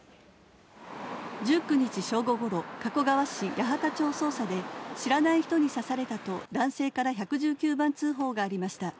１９日正午頃、加古川市八幡町宗佐で知らない人に刺されたと男性から１１９番通報がありました。